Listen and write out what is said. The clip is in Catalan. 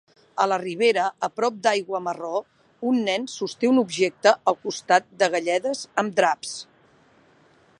A la ribera, a prop d"aigua marró, un nen sosté un objecte al costat de galledes amb draps.